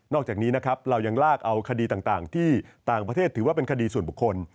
อกจากนี้นะครับเรายังลากเอาคดีต่างที่ต่างประเทศถือว่าเป็นคดีส่วนบุคคล